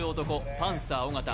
パンサー尾形